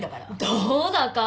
どうだか。